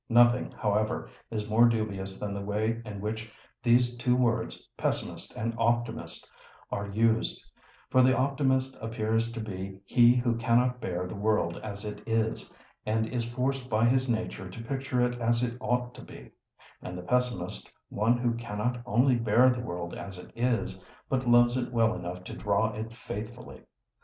Nothing, however, is more dubious than the way in which these two words "pessimist" and "optimist" are used; for the optimist appears to be he who cannot bear the world as it is, and is forced by his nature to picture it as it ought to be, and the pessimist one who cannot only bear the world as it is, but loves it well enough to draw it faithfully.